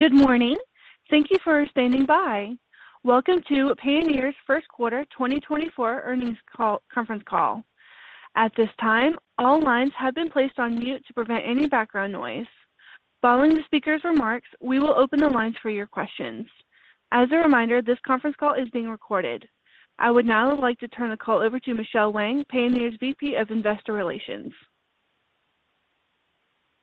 Good morning. Thank you for standing by. Welcome to Payoneer's First Quarter 2024 Earnings Call Conference Call. At this time, all lines have been placed on mute to prevent any background noise. Following the speaker's remarks, we will open the lines for your questions. As a reminder, this conference call is being recorded. I would now like to turn the call over to Michelle Wang, Payoneer's VP of Investor Relations.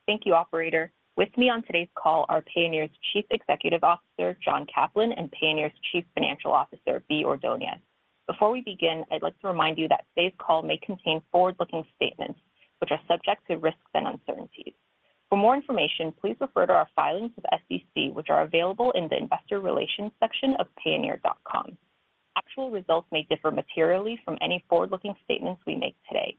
Thank you, operator. With me on today's call are Payoneer's Chief Executive Officer John Caplan and Payoneer's Chief Financial Officer Bea Ordonez. Before we begin, I'd like to remind you that today's call may contain forward-looking statements, which are subject to risks and uncertainties. For more information, please refer to our SEC filings, which are available in the Investor Relations section of payoneer.com. Actual results may differ materially from any forward-looking statements we make today.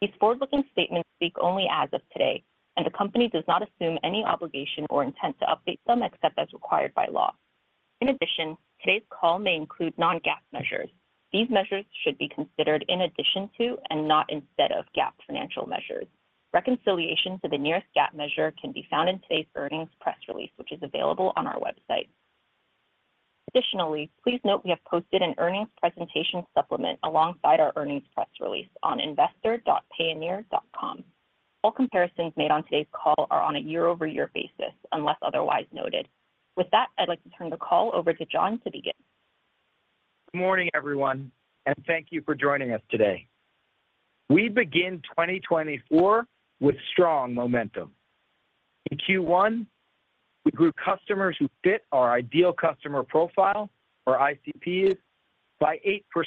These forward-looking statements speak only as of today, and the company does not assume any obligation or intent to update them except as required by law. In addition, today's call may include non-GAAP measures. These measures should be considered in addition to and not instead of GAAP financial measures. Reconciliation to the nearest GAAP measure can be found in today's earnings press release, which is available on our website. Additionally, please note we have posted an earnings presentation supplement alongside our earnings press release on investor.payoneer.com. All comparisons made on today's call are on a year-over-year basis, unless otherwise noted. With that, I'd like to turn the call over to John to begin. Good morning, everyone, and thank you for joining us today. We begin 2024 with strong momentum. In Q1, we grew customers who fit our Ideal Customer Profile, or ICPs, by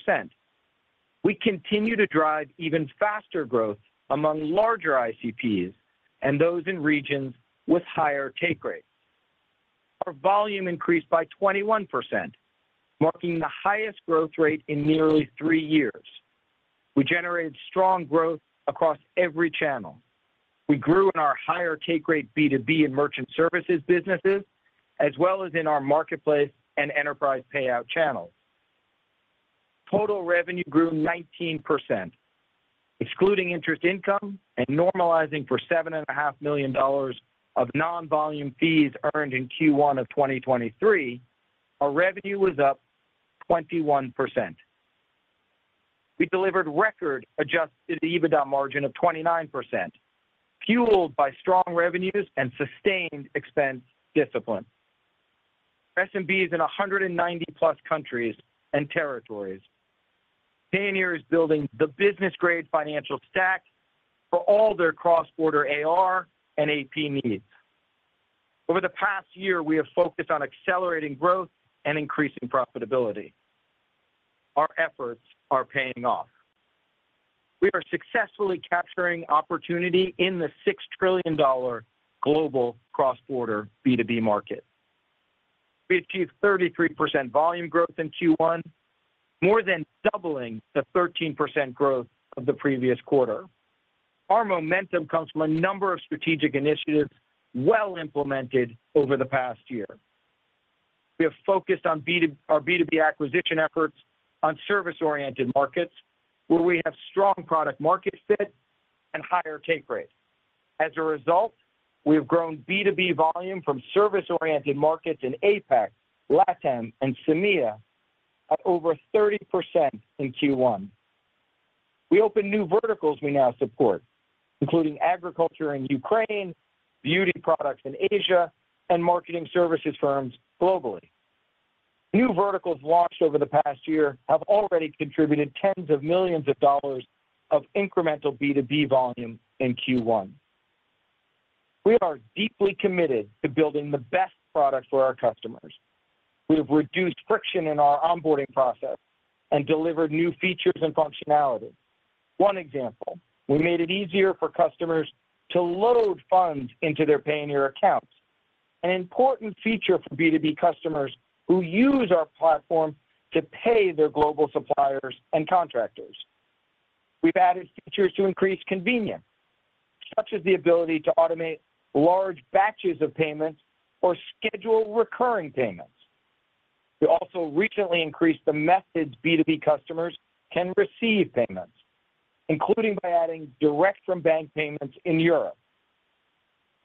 8%. We continue to drive even faster growth among larger ICPs and those in regions with higher take rates. Our volume increased by 21%, marking the highest growth rate in nearly three years. We generated strong growth across every channel. We grew in our higher take rate B2B and merchant services businesses, as well as in our marketplace and enterprise payout channels. Total revenue grew 19%. Excluding interest income and normalizing for $7.5 million of non-volume fees earned in Q1 of 2023, our revenue was up 21%. We delivered record adjusted EBITDA margin of 29%, fueled by strong revenues and sustained expense discipline. Our SMB is in 190+ countries and territories. Payoneer is building the business-grade financial stack for all their cross-border AR and AP needs. Over the past year, we have focused on accelerating growth and increasing profitability. Our efforts are paying off. We are successfully capturing opportunity in the $6 trillion global cross-border B2B market. We achieved 33% volume growth in Q1, more than doubling the 13% growth of the previous quarter. Our momentum comes from a number of strategic initiatives well implemented over the past year. We have focused on our B2B acquisition efforts on service-oriented markets, where we have strong product-market fit and higher take rate. As a result, we have grown B2B volume from service-oriented markets in APAC, LATAM, and SAMEA by over 30% in Q1. We opened new verticals we now support, including agriculture in Ukraine, beauty products in Asia, and marketing services firms globally. New verticals launched over the past year have already contributed tens of millions of incremental B2B volume in Q1. We are deeply committed to building the best product for our customers. We have reduced friction in our onboarding process and delivered new features and functionality. One example: we made it easier for customers to load funds into their Payoneer accounts, an important feature for B2B customers who use our platform to pay their global suppliers and contractors. We've added features to increase convenience, such as the ability to automate large batches of payments or schedule recurring payments. We also recently increased the methods B2B customers can receive payments, including by adding direct from bank payments in Europe.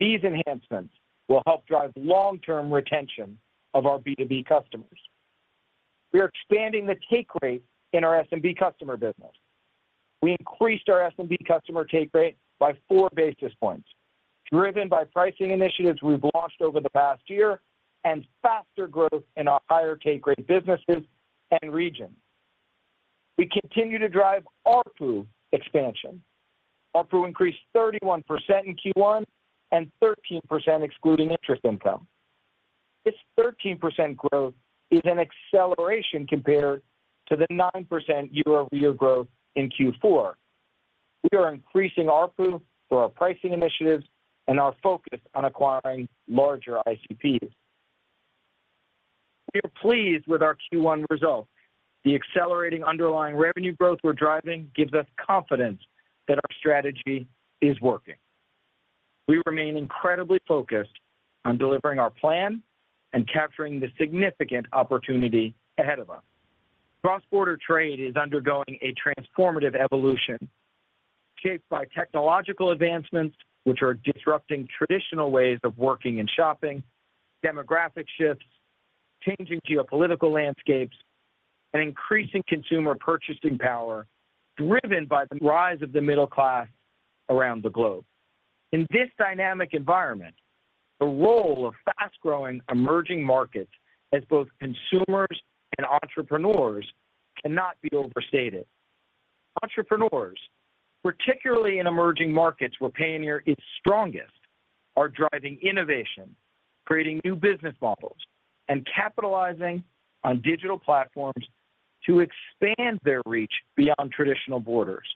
These enhancements will help drive long-term retention of our B2B customers. We are expanding the take rate in our SMB customer business. We increased our SMB customer take rate by four basis points, driven by pricing initiatives we've launched over the past year and faster growth in our higher take rate businesses and regions. We continue to drive ARPU expansion. ARPU increased 31% in Q1 and 13% excluding interest income. This 13% growth is an acceleration compared to the 9% year-over-year growth in Q4. We are increasing ARPU through our pricing initiatives and our focus on acquiring larger ICPs. We are pleased with our Q1 results. The accelerating underlying revenue growth we're driving gives us confidence that our strategy is working. We remain incredibly focused on delivering our plan and capturing the significant opportunity ahead of us. Cross-border trade is undergoing a transformative evolution shaped by technological advancements, which are disrupting traditional ways of working and shopping, demographic shifts, changing geopolitical landscapes, and increasing consumer purchasing power driven by the rise of the middle class around the globe. In this dynamic environment, the role of fast-growing emerging markets as both consumers and entrepreneurs cannot be overstated. Entrepreneurs, particularly in emerging markets where Payoneer is strongest, are driving innovation, creating new business models, and capitalizing on digital platforms to expand their reach beyond traditional borders.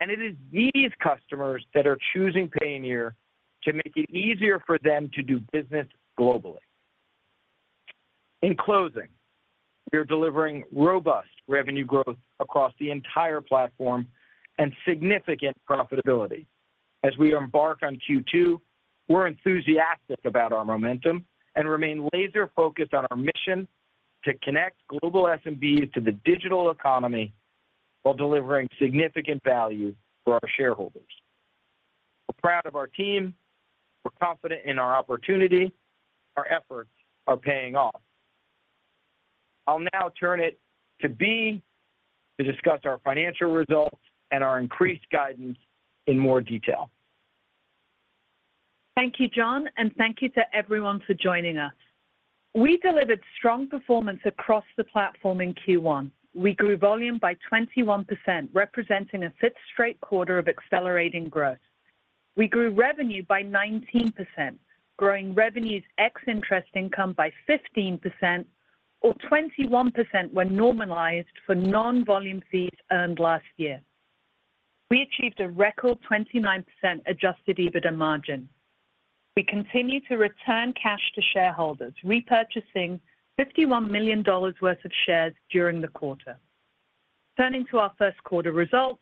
And it is these customers that are choosing Payoneer to make it easier for them to do business globally. In closing, we are delivering robust revenue growth across the entire platform and significant profitability. As we embark on Q2, we're enthusiastic about our momentum and remain laser-focused on our mission to connect global SMBs to the digital economy while delivering significant value for our shareholders. We're proud of our team. We're confident in our opportunity. Our efforts are paying off. I'll now turn it to Bea to discuss our financial results and our increased guidance in more detail. Thank you, John, and thank you to everyone for joining us. We delivered strong performance across the platform in Q1. We grew volume by 21%, representing a fifth straight quarter of accelerating growth. We grew revenue by 19%, growing revenues ex interest income by 15%, or 21% when normalized for non-volume fees earned last year. We achieved a record 29% adjusted EBITDA margin. We continue to return cash to shareholders, repurchasing $51 million worth of shares during the quarter. Turning to our first quarter results,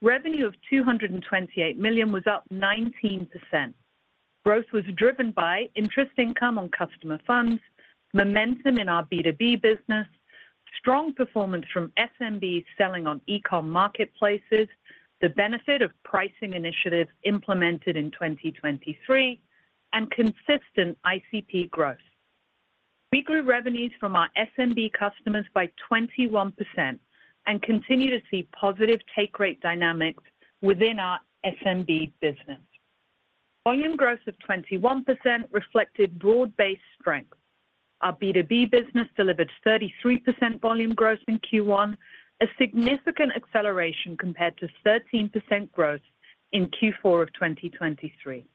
revenue of $228 million was up 19%. Growth was driven by interest income on customer funds, momentum in our B2B business, strong performance from SMBs selling on e-commerce marketplaces, the benefit of pricing initiatives implemented in 2023, and consistent ICP growth. We grew revenues from our SMB customers by 21% and continue to see positive take rate dynamics within our SMB business. Volume growth of 21% reflected broad-based strength. Our B2B business delivered 33% volume growth in Q1, a significant acceleration compared to 13% growth in Q4 of 2023.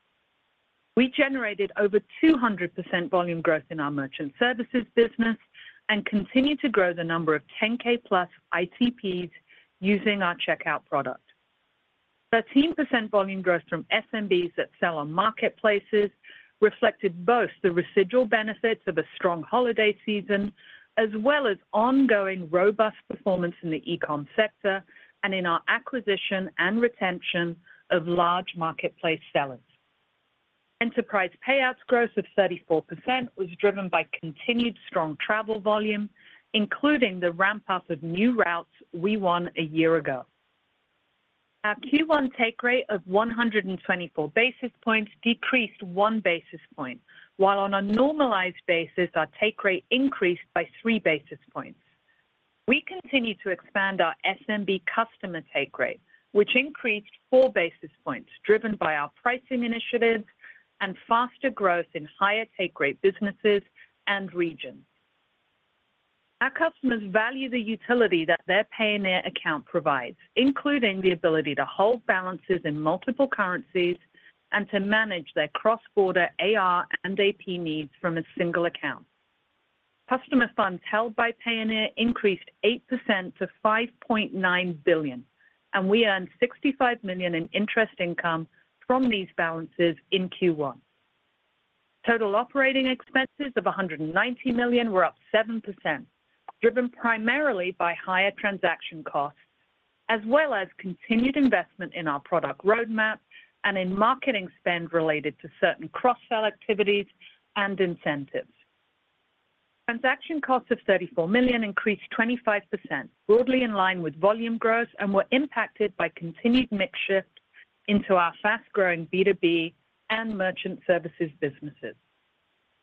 We generated over 200% volume growth in our merchant services business and continue to grow the number of 10K-plus ICPs using our checkout product. 13% volume growth from SMBs that sell on marketplaces reflected both the residual benefits of a strong holiday season as well as ongoing robust performance in the e-commerce sector and in our acquisition and retention of large marketplace sellers. Enterprise payouts growth of 34% was driven by continued strong travel volume, including the ramp-up of new routes we won a year ago. Our Q1 take rate of 124 basis points decreased one basis point, while on a normalized basis, our take rate increased by three basis points. We continue to expand our SMB customer take rate, which increased four basis points, driven by our pricing initiatives and faster growth in higher take rate businesses and regions. Our customers value the utility that their Payoneer account provides, including the ability to hold balances in multiple currencies and to manage their cross-border AR and AP needs from a single account. Customer funds held by Payoneer increased 8% to $5.9 billion, and we earned $65 million in interest income from these balances in Q1. Total operating expenses of $190 million were up 7%, driven primarily by higher transaction costs as well as continued investment in our product roadmap and in marketing spend related to certain cross-sell activities and incentives. Transaction costs of $34 million increased 25%, broadly in line with volume growth, and were impacted by continued mix shifts into our fast-growing B2B and merchant services businesses.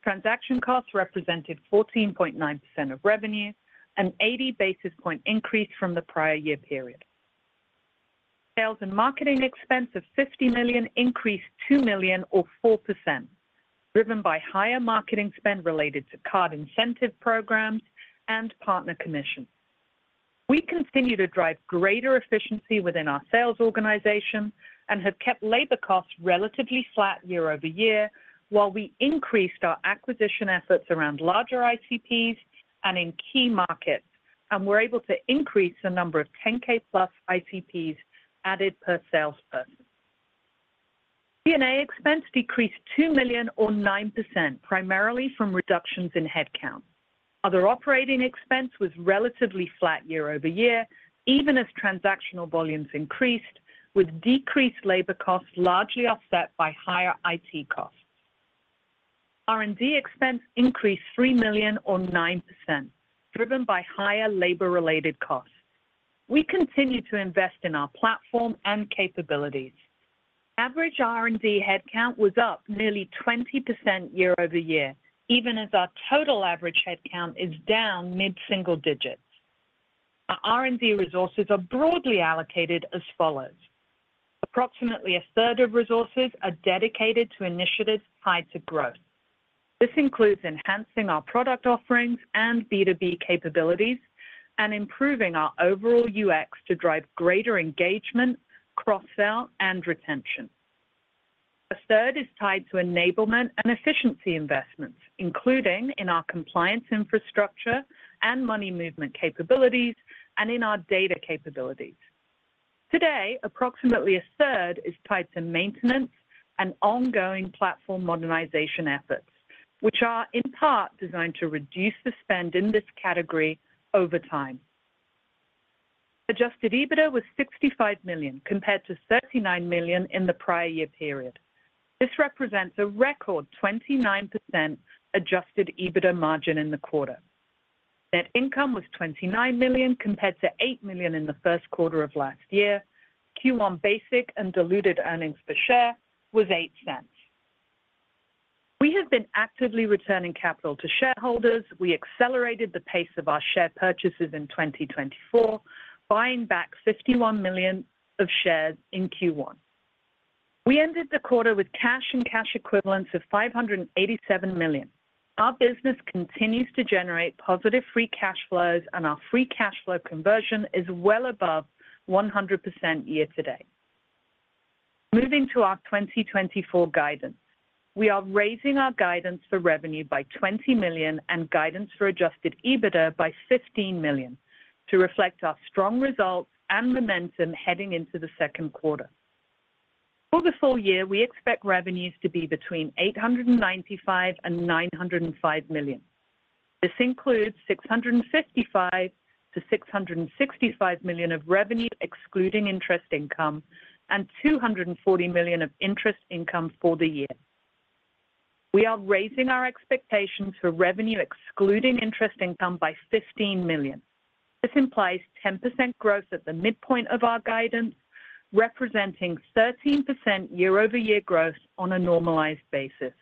Transaction costs represented 14.9% of revenue, an 80 basis point increase from the prior year period. Sales and marketing expense of $50 million increased $2 million, or 4%, driven by higher marketing spend related to card incentive programs and partner commissions. We continue to drive greater efficiency within our sales organization and have kept labor costs relatively flat year-over-year, while we increased our acquisition efforts around larger ICPs and in key markets, and were able to increase the number of 10K-plus ICPs added per salesperson. G&A expense decreased $2 million, or 9%, primarily from reductions in headcount. Other operating expense was relatively flat year-over-year, even as transactional volumes increased, with decreased labor costs largely offset by higher IT costs. R&D expense increased $3 million, or 9%, driven by higher labor-related costs. We continue to invest in our platform and capabilities. Average R&D headcount was up nearly 20% year-over-year, even as our total average headcount is down mid-single digits. Our R&D resources are broadly allocated as follows. Approximately a third of resources are dedicated to initiatives tied to growth. This includes enhancing our product offerings and B2B capabilities and improving our overall UX to drive greater engagement, cross-sell, and retention. A 1/3 is tied to enablement and efficiency investments, including in our compliance infrastructure and money movement capabilities and in our data capabilities. Today, approximately a third is tied to maintenance and ongoing platform modernization efforts, which are in part designed to reduce the spend in this category over time. Adjusted EBITDA was $65 million compared to $39 million in the prior year period. This represents a record 29% adjusted EBITDA margin in the quarter. Net income was $29 million compared to $8 million in the first quarter of last year. Q1 basic and diluted earnings per share was $0.08. We have been actively returning capital to shareholders. We accelerated the pace of our share purchases in 2024, buying back $51 million of shares in Q1. We ended the quarter with cash and cash equivalents of $587 million. Our business continues to generate positive free cash flows, and our free cash flow conversion is well above 100% year to date. Moving to our 2024 guidance, we are raising our guidance for revenue by $20 million and guidance for adjusted EBITDA by $15 million to reflect our strong results and momentum heading into the second quarter. For the full-year, we expect revenues to be between $895-$905 million. This includes $655-$665 million of revenue excluding interest income and $240 million of interest income for the year. We are raising our expectations for revenue excluding interest income by $15 million. This implies 10% growth at the midpoint of our guidance, representing 13% year-over-year growth on a normalized basis.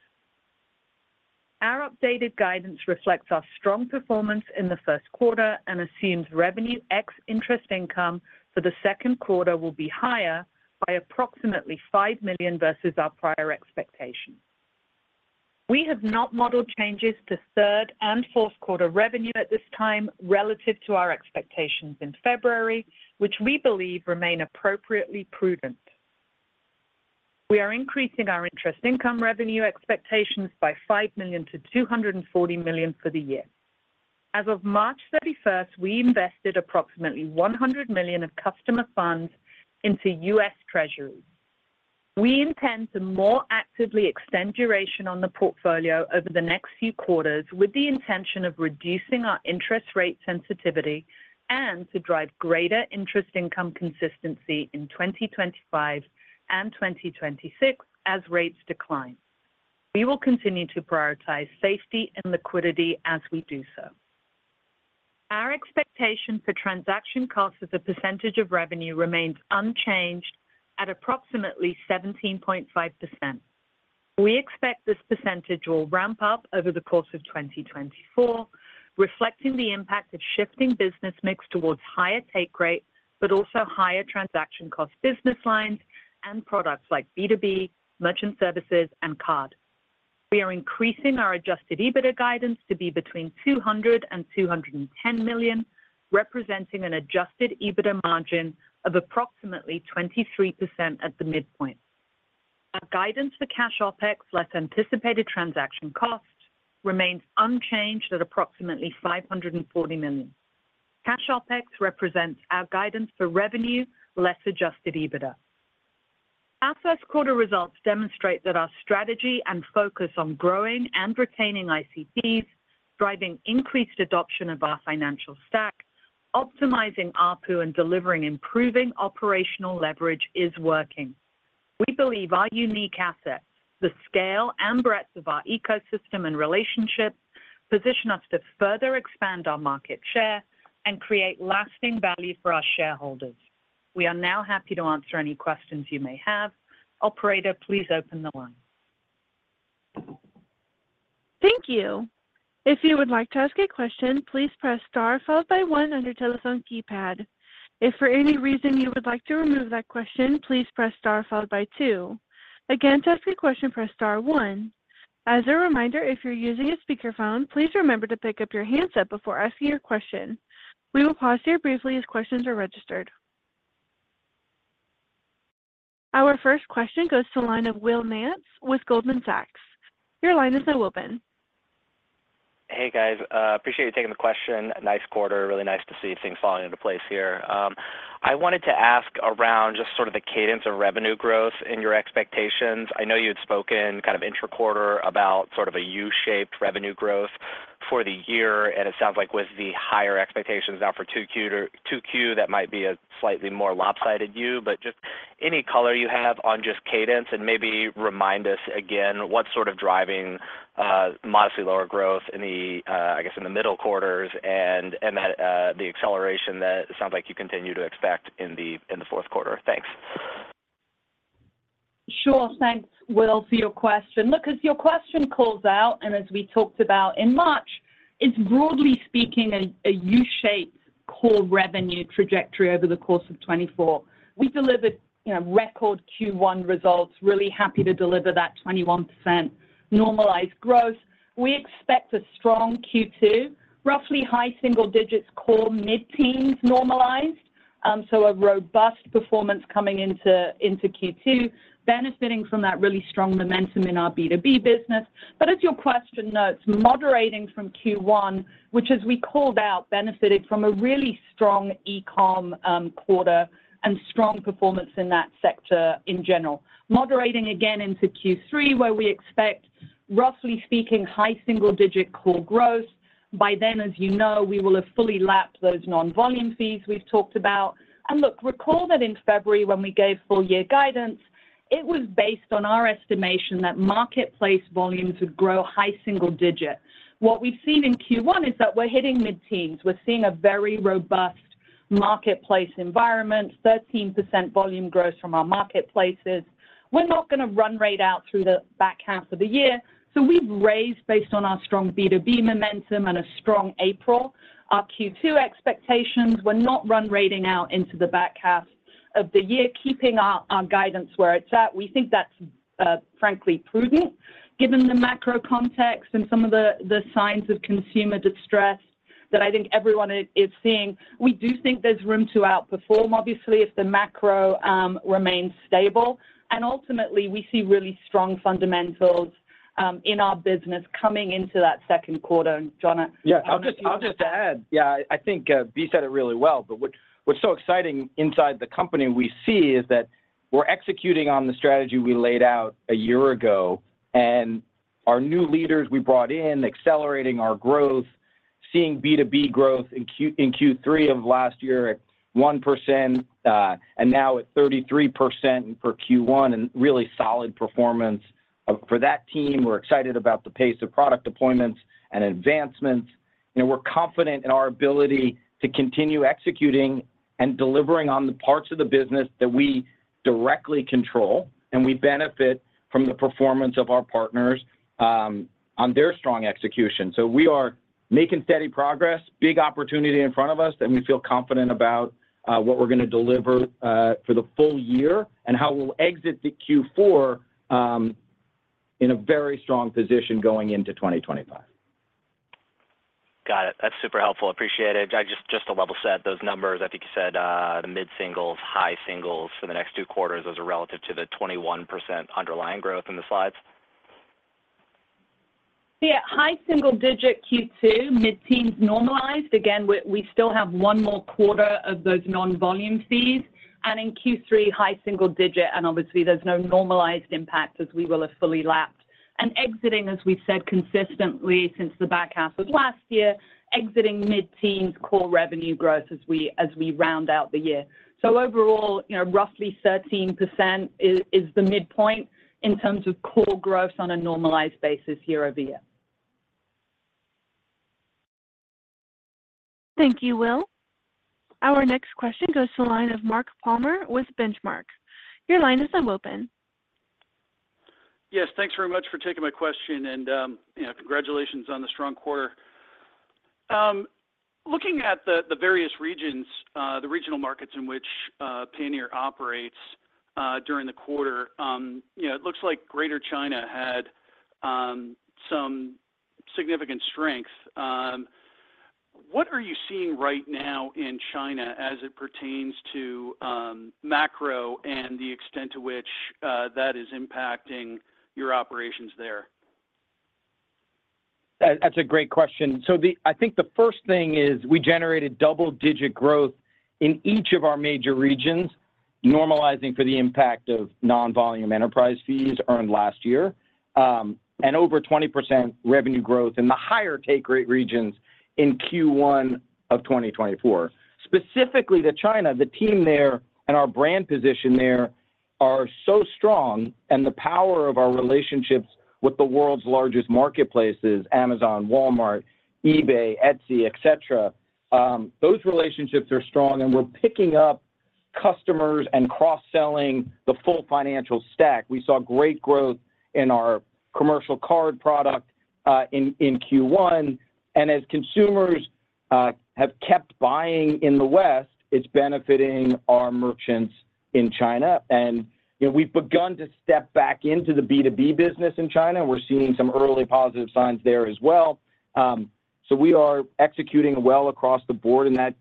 Our updated guidance reflects our strong performance in the first quarter and assumes revenue ex interest income for the second quarter will be higher by approximately $5 million versus our prior expectations. We have not modeled changes to third and fourth quarter revenue at this time relative to our expectations in February, which we believe remain appropriately prudent. We are increasing our interest income revenue expectations by $5-$240 million for the year. As of March 31st, we invested approximately $100 million of customer funds into U.S. Treasuries. We intend to more actively extend duration on the portfolio over the next few quarters with the intention of reducing our interest rate sensitivity and to drive greater interest income consistency in 2025 and 2026 as rates decline. We will continue to prioritize safety and liquidity as we do so. Our expectation for transaction costs as a percentage of revenue remains unchanged at approximately 17.5%. We expect this percentage will ramp up over the course of 2024, reflecting the impact of shifting business mix towards higher take rate but also higher transaction cost business lines and products like B2B, merchant services, and card. We are increasing our adjusted EBITDA guidance to be between $200 million and $210 million, representing an adjusted EBITDA margin of approximately 23% at the midpoint. Our guidance for cash OPEX less anticipated transaction costs remains unchanged at approximately $540 million. Cash OPEX represents our guidance for revenue less adjusted EBITDA. Our first quarter results demonstrate that our strategy and focus on growing and retaining ICPs, driving increased adoption of our financial stack, optimizing ARPU, and delivering improving operational leverage is working. We believe our unique assets, the scale and breadth of our ecosystem and relationships, position us to further expand our market share and create lasting value for our shareholders. We are now happy to answer any questions you may have. Operator, please open the line. Thank you. If you would like to ask a question, please press star followed by one on the telephone keypad. If for any reason you would like to remove that question, please press star followed by two. Again, to ask a question, press star one. As a reminder, if you're using a speakerphone, please remember to pick up your handset before asking your question. We will pause here briefly as questions are registered. Our first question goes to the line of Will Nance with Goldman Sachs. Your line is now open. Hey, guys. Appreciate you taking the question. Nice quarter. Really nice to see things falling into place here. I wanted to ask around just sort of the cadence of revenue growth and your expectations. I know you had spoken kind of intra-quarter about sort of a U-shaped revenue growth for the year. And it sounds like with the higher expectations now for Q2, that might be a slightly more lopsided U. But just any color you have on just cadence and maybe remind us again what's sort of driving modestly lower growth, I guess, in the middle quarters and the acceleration that sounds like you continue to expect in the fourth quarter. Thanks. Sure. Thanks, Will, for your question. Look, as your question calls out and as we talked about in March, it's broadly speaking a U-shaped core revenue trajectory over the course of 2024. We delivered record Q1 results. Really happy to deliver that 21% normalized growth. We expect a strong Q2, roughly high single digits core mid-teens normalized, so a robust performance coming into Q2, benefiting from that really strong momentum in our B2B business. But as your question notes, moderating from Q1, which as we called out benefited from a really strong e-com quarter and strong performance in that sector in general. Moderating again into Q3 where we expect, roughly speaking, high single digit core growth. By then, as you know, we will have fully lapped those non-volume fees we've talked about. And look, recall that in February when we gave full-year guidance, it was based on our estimation that marketplace volumes would grow high single-digit. What we've seen in Q1 is that we're hitting mid-teens. We're seeing a very robust marketplace environment, 13% volume growth from our marketplaces. We're not going to run-rate out through the back half of the year. So we've raised, based on our strong B2B momentum and a strong April, our Q2 expectations. We're not run-rating out into the back half of the year, keeping our guidance where it's at. We think that's, frankly, prudent given the macro context and some of the signs of consumer distress that I think everyone is seeing. We do think there's room to outperform, obviously, if the macro remains stable. And ultimately, we see really strong fundamentals in our business coming into that second quarter. John. Yeah. I'll just add. Yeah. I think Bea said it really well. But what's so exciting inside the company we see is that we're executing on the strategy we laid out a year ago. And our new leaders we brought in accelerating our growth, seeing B2B growth in Q3 of last year at 1% and now at 33% for Q1 and really solid performance for that team. We're excited about the pace of product deployments and advancements. We're confident in our ability to continue executing and delivering on the parts of the business that we directly control and we benefit from the performance of our partners on their strong execution. So we are making steady progress, big opportunity in front of us, and we feel confident about what we're going to deliver for the full-year and how we'll exit the Q4 in a very strong position going into 2025. Got it. That's super helpful. Appreciate it. Just to level set those numbers, I think you said the mid-singles, high singles for the next two quarters, those are relative to the 21% underlying growth in the slides. Yeah. High single-digit Q2, mid-teens normalized. Again, we still have one more quarter of those non-volume fees. And in Q3, high single-digit. And obviously, there's no normalized impact as we will have fully lapped and exiting, as we've said, consistently since the back half of last year, exiting mid-teens core revenue growth as we round out the year. So overall, roughly 13% is the midpoint in terms of core growth on a normalized basis year-over-year. Thank you, Will. Our next question goes to the line of Mark Palmer with Benchmark. Your line is now open. Yes. Thanks very much for taking my question. Congratulations on the strong quarter. Looking at the various regions, the regional markets in which Payoneer operates during the quarter, it looks like Greater China had some significant strength. What are you seeing right now in China as it pertains to macro and the extent to which that is impacting your operations there? That's a great question. So I think the first thing is we generated double-digit growth in each of our major regions, normalizing for the impact of non-volume enterprise fees earned last year and over 20% revenue growth in the higher take rate regions in Q1 of 2024. Specifically to China, the team there and our brand position there are so strong. And the power of our relationships with the world's largest marketplaces, Amazon, Walmart, eBay, Etsy, etc., those relationships are strong. And we're picking up customers and cross-selling the full financial stack. We saw great growth in our commercial card product in Q1. And as consumers have kept buying in the West, it's benefiting our merchants in China. And we've begun to step back into the B2B business in China. And we're seeing some early positive signs there as well. We are executing well across the board in that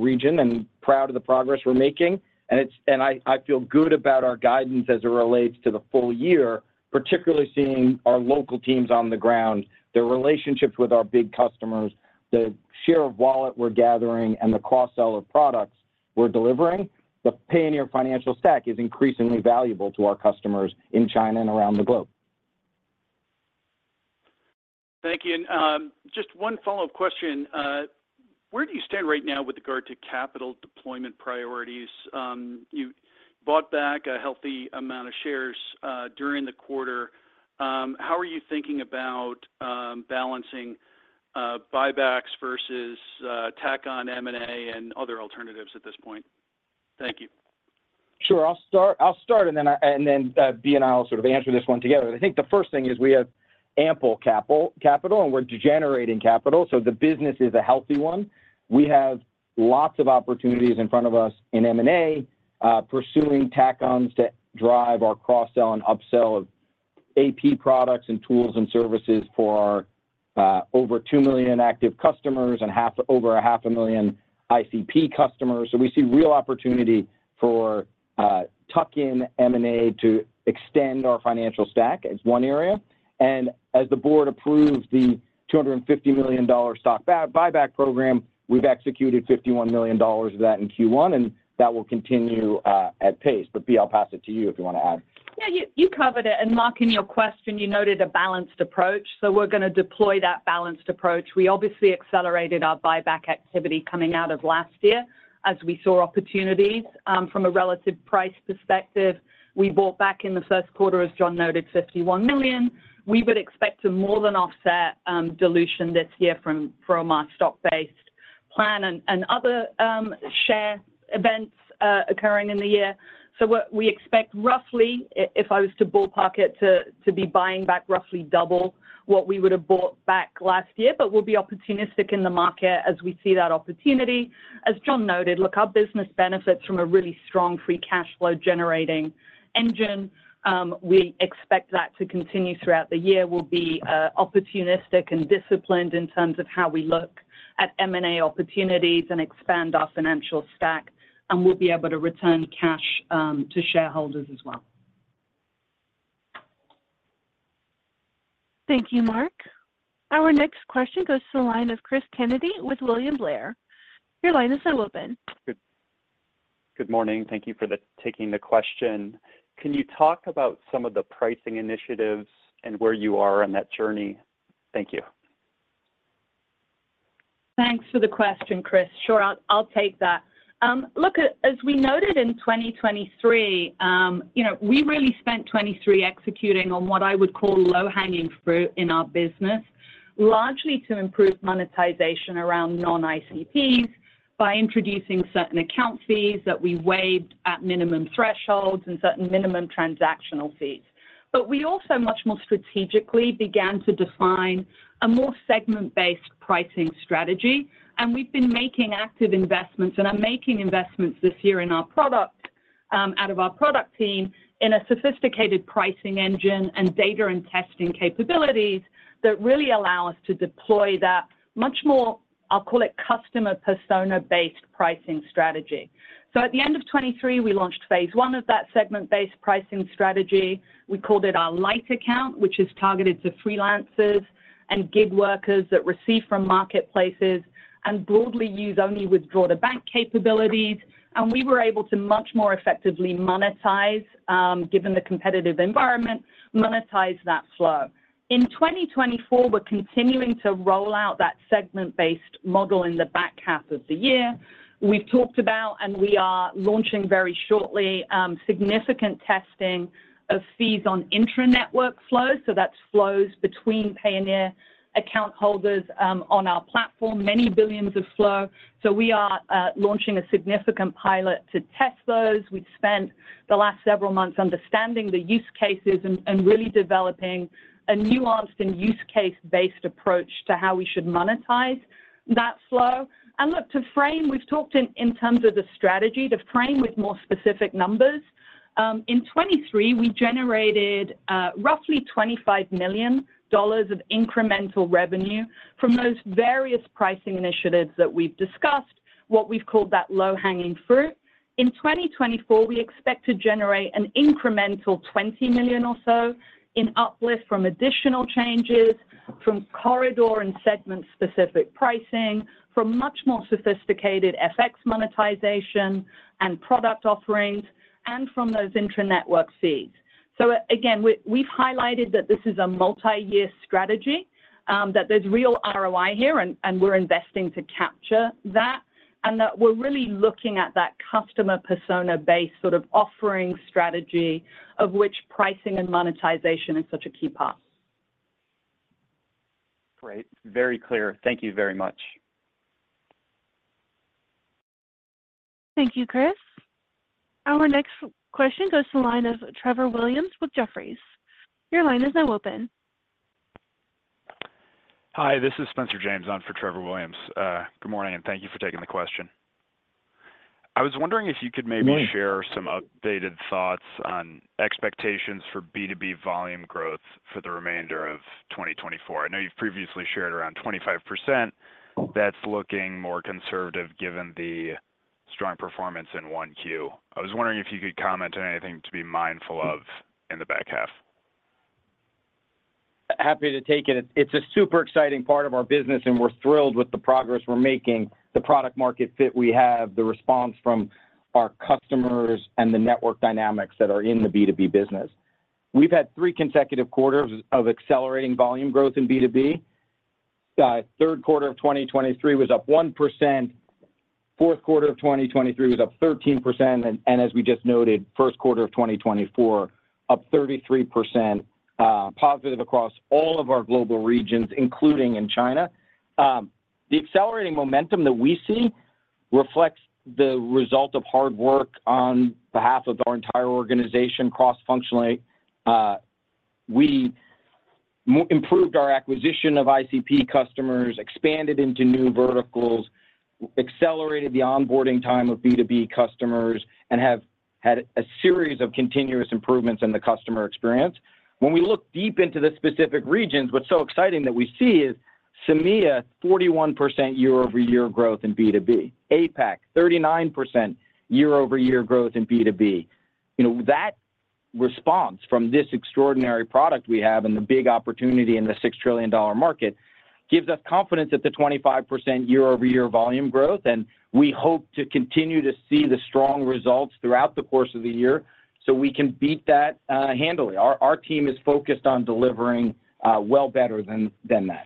region and proud of the progress we're making. I feel good about our guidance as it relates to the full-year, particularly seeing our local teams on the ground, their relationships with our big customers, the share of wallet we're gathering, and the cross-sell products we're delivering. The Payoneer financial stack is increasingly valuable to our customers in China and around the globe. Thank you. Just one follow-up question. Where do you stand right now with regard to capital deployment priorities? You bought back a healthy amount of shares during the quarter. How are you thinking about balancing buybacks versus tack-on M&A and other alternatives at this point? Thank you. Sure. I'll start. And then Bea and I will sort of answer this one together. I think the first thing is we have ample capital, and we're generating capital. So the business is a healthy one. We have lots of opportunities in front of us in M&A pursuing tuck-on to drive our cross-sell and upsell of AP products and tools and services for our over two million active customers and over 500,000 ICP customers. So we see real opportunity for tuck-in M&A to extend our financial stack as one area. And as the board approved the $250 million stock buyback program, we've executed $51 million of that in Q1. And that will continue at pace. But Bea, I'll pass it to you if you want to add. Yeah. You covered it. Mark, in your question, you noted a balanced approach. So we're going to deploy that balanced approach. We obviously accelerated our buyback activity coming out of last year as we saw opportunities from a relative price perspective. We bought back in the first quarter, as John noted, $51 million. We would expect a more than offset dilution this year from our stock-based plan and other share events occurring in the year. So we expect roughly, if I was to ballpark it, to be buying back roughly double what we would have bought back last year. But we'll be opportunistic in the market as we see that opportunity. As John noted, look, our business benefits from a really strong free cash flow generating engine. We expect that to continue throughout the year. We'll be opportunistic and disciplined in terms of how we look at M&A opportunities and expand our financial stack. We'll be able to return cash to shareholders as well. Thank you, Mark. Our next question goes to the line of Cris Kennedy with William Blair. Your line is now open. Good morning. Thank you for taking the question. Can you talk about some of the pricing initiatives and where you are on that journey? Thank you. Thanks for the question, Cris. Sure. I'll take that. Look, as we noted in 2023, we really spent 2023 executing on what I would call low-hanging fruit in our business, largely to improve monetization around non-ICPs by introducing certain account fees that we waived at minimum thresholds and certain minimum transactional fees. But we also, much more strategically, began to define a more segment-based pricing strategy. And we've been making active investments, and I'm making investments this year in our product out of our product team, in a sophisticated pricing engine and data and testing capabilities that really allow us to deploy that much more, I'll call it, customer persona-based pricing strategy. So at the end of 2023, we launched phase one of that segment-based pricing strategy. We called it our light account, which is targeted to freelancers and gig workers that receive from marketplaces and broadly use only withdraw-to-bank capabilities. We were able to much more effectively monetize, given the competitive environment, monetize that flow. In 2024, we're continuing to roll out that segment-based model in the back half of the year. We've talked about and we are launching very shortly significant testing of fees on intranetwork flows. So that's flows between Payoneer account holders on our platform, many billions of flow. So we are launching a significant pilot to test those. We've spent the last several months understanding the use cases and really developing a nuanced and use-case-based approach to how we should monetize that flow. And look, to frame, we've talked in terms of the strategy to frame with more specific numbers. In 2023, we generated roughly $25 million of incremental revenue from those various pricing initiatives that we've discussed, what we've called that low-hanging fruit. In 2024, we expect to generate an incremental $20 million or so in uplift from additional changes, from corridor and segment-specific pricing, from much more sophisticated FX monetization and product offerings, and from those intranetwork fees. So again, we've highlighted that this is a multi-year strategy, that there's real ROI here, and we're investing to capture that, and that we're really looking at that customer persona-based sort of offering strategy of which pricing and monetization is such a key part. Great. Very clear. Thank you very much. Thank you, Cris. Our next question goes to the line of Trevor Williams with Jefferies. Your line is now open. Hi. This is Spencer James on for Trevor Williams. Good morning. Thank you for taking the question. I was wondering if you could maybe share some updated thoughts on expectations for B2B volume growth for the remainder of 2024. I know you've previously shared around 25% that's looking more conservative given the strong performance in 1Q. I was wondering if you could comment on anything to be mindful of in the back half. Happy to take it. It's a super exciting part of our business. We're thrilled with the progress we're making, the product-market fit we have, the response from our customers, and the network dynamics that are in the B2B business. We've had three consecutive quarters of accelerating volume growth in B2B. Third quarter of 2023 was up 1%. Fourth quarter of 2023 was up 13%. As we just noted, first quarter of 2024, up 33%, positive across all of our global regions, including in China. The accelerating momentum that we see reflects the result of hard work on behalf of our entire organization cross-functionally. We improved our acquisition of ICP customers, expanded into new verticals, accelerated the onboarding time of B2B customers, and have had a series of continuous improvements in the customer experience. When we look deep into the specific regions, what's so exciting that we see is SAMEA, 41% year-over-year growth in B2B; APAC, 39% year-over-year growth in B2B. That response from this extraordinary product we have and the big opportunity in the $6 trillion market gives us confidence at the 25% year-over-year volume growth. We hope to continue to see the strong results throughout the course of the year so we can beat that handily. Our team is focused on delivering well better than that.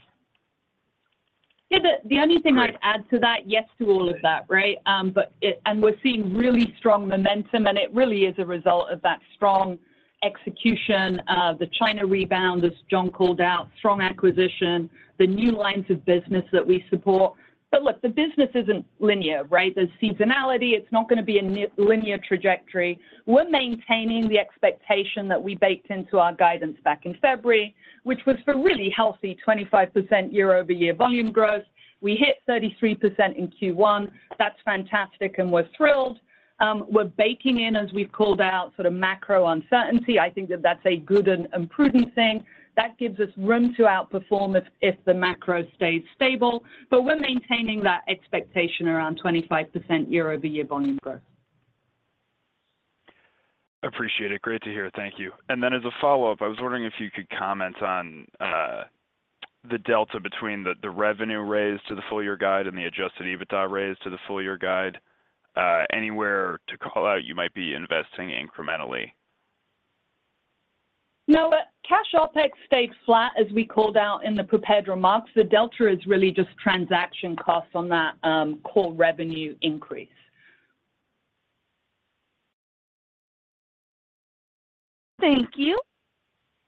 Yeah. The only thing I'd add to that, yes to all of that, right? And we're seeing really strong momentum. And it really is a result of that strong execution, the China rebound, as John called out, strong acquisition, the new lines of business that we support. But look, the business isn't linear, right? There's seasonality. It's not going to be a linear trajectory. We're maintaining the expectation that we baked into our guidance back in February, which was for really healthy 25% year-over-year volume growth. We hit 33% in Q1. That's fantastic. And we're thrilled. We're baking in, as we've called out, sort of macro uncertainty. I think that that's a good and prudent thing. That gives us room to outperform if the macro stays stable. But we're maintaining that expectation around 25% year-over-year volume growth. I appreciate it. Great to hear. Thank you. And then as a follow-up, I was wondering if you could comment on the delta between the revenue raise to the full-year guide and the adjusted EBITDA raise to the full-year guide. Any areas to call out you might be investing incrementally. No. Cash OpEx stayed flat, as we called out in the prepared remarks. The delta is really just transaction costs on that core revenue increase. Thank you.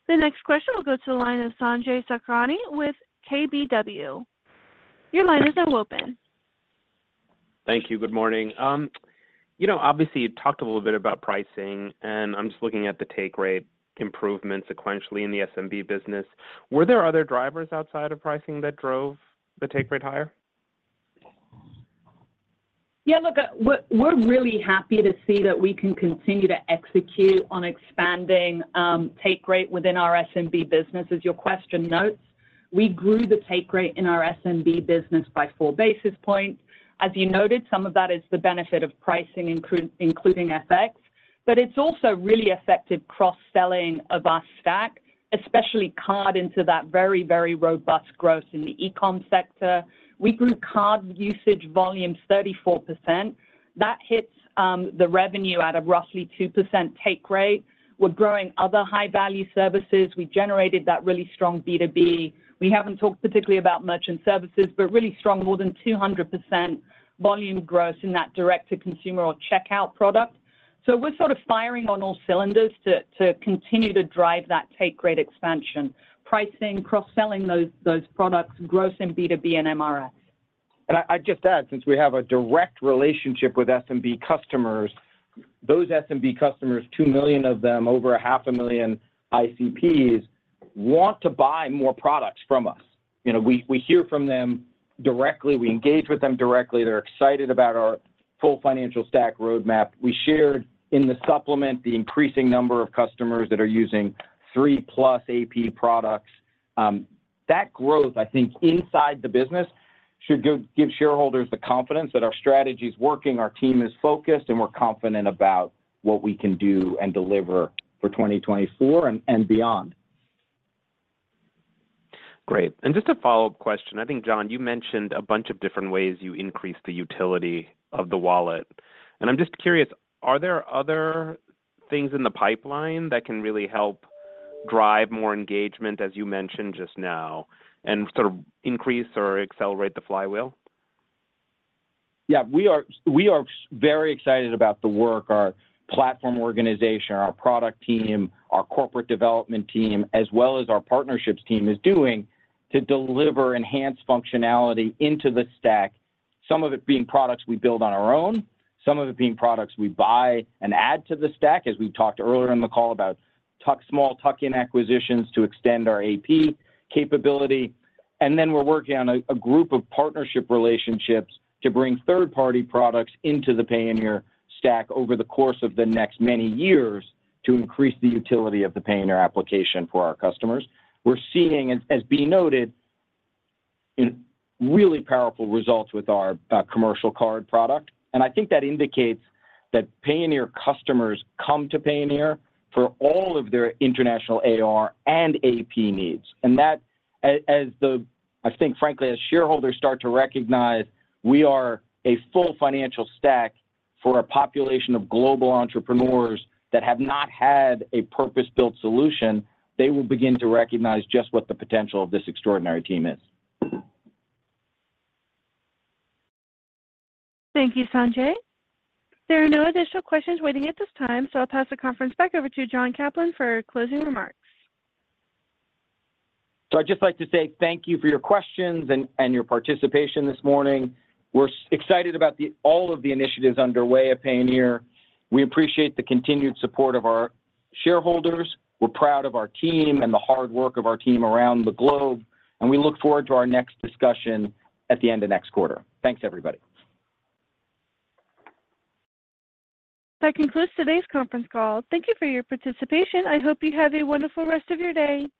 The next question will go to the line of Sanjay Sakhrani with KBW. Your line is now open. Thank you. Good morning. Obviously, you've talked a little bit about pricing. I'm just looking at the take rate improvement sequentially in the SMB business. Were there other drivers outside of pricing that drove the take rate higher? Yeah. Look, we're really happy to see that we can continue to execute on expanding take rate within our SMB business, as your question notes. We grew the take rate in our SMB business by four basis points. As you noted, some of that is the benefit of pricing, including FX. But it's also really effective cross-selling of our stack, especially carved into that very, very robust growth in the e-com sector. We grew card usage volume 34%. That hits the revenue at a roughly 2% take rate. We're growing other high-value services. We generated that really strong B2B. We haven't talked particularly about merchant services, but really strong, more than 200% volume growth in that direct-to-consumer or checkout product. So we're sort of firing on all cylinders to continue to drive that take rate expansion, pricing, cross-selling those products, growth in B2B and MRS. I'd just add, since we have a direct relationship with SMB customers, those SMB customers, two million of them, over 500,000 ICPs, want to buy more products from us. We hear from them directly. We engage with them directly. They're excited about our full financial stack roadmap. We shared in the supplement the increasing number of customers that are using 3+ AP products. That growth, I think, inside the business should give shareholders the confidence that our strategy's working, our team is focused, and we're confident about what we can do and deliver for 2024 and beyond. Great. Just a follow-up question. I think, John, you mentioned a bunch of different ways you increase the utility of the wallet. I'm just curious, are there other things in the pipeline that can really help drive more engagement, as you mentioned just now, and sort of increase or accelerate the flywheel? Yeah. We are very excited about the work our platform organization, our product team, our corporate development team, as well as our partnerships team, is doing to deliver enhanced functionality into the stack, some of it being products we build on our own, some of it being products we buy and add to the stack, as we talked earlier in the call about small tuck-in acquisitions to extend our AP capability. And then we're working on a group of partnership relationships to bring third-party products into the Payoneer stack over the course of the next many years to increase the utility of the Payoneer application for our customers. We're seeing, as being noted, really powerful results with our commercial card product. And I think that indicates that Payoneer customers come to Payoneer for all of their international AR and AP needs. I think, frankly, as shareholders start to recognize we are a full financial stack for a population of global entrepreneurs that have not had a purpose-built solution, they will begin to recognize just what the potential of this extraordinary team is. Thank you, Sanjay. There are no additional questions waiting at this time. I'll pass the conference back over to John Caplan for closing remarks. I'd just like to say thank you for your questions and your participation this morning. We're excited about all of the initiatives underway at Payoneer. We appreciate the continued support of our shareholders. We're proud of our team and the hard work of our team around the globe. We look forward to our next discussion at the end of next quarter. Thanks, everybody. That concludes today's conference call. Thank you for your participation. I hope you have a wonderful rest of your day.